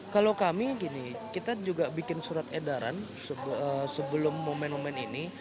kalau kami gini kita juga bikin surat edaran sebelum momen momen ini